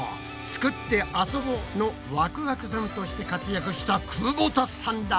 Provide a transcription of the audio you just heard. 「つくってあそぼ」のワクワクさんとして活躍した久保田さんだ！